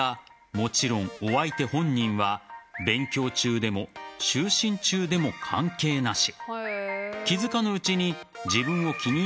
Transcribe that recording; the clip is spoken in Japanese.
もちろん、お相手本人は勉強中でも就寝中でも関係なし。